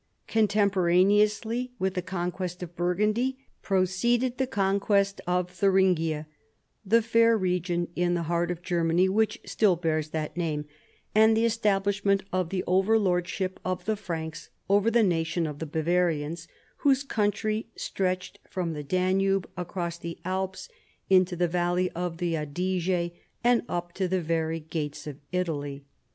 Contemporaneously with the conquest of Burgundy proceeded the conquest of Thuringia, tlie fair region in the heart of Germany which still bears that name, and the establishment of the over lordship of the Franks over the nation of the Bavarians, whose country stretched from the Danube across the Alps, into the valley of the Adige and up to the very giitcs of Italy.